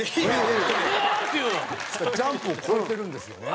『ジャンプ』を超えてるんですよね。